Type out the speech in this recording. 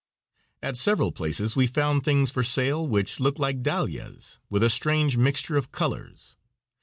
At several places we found things for sale which looked like dahlias, with a strange mixture of colors.